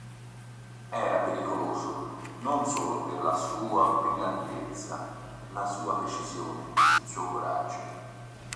Era pericoloso non solo per la sua brillantezza, la sua precisione, il suo coraggio.